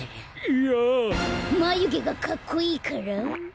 まゆげがかっこいいから？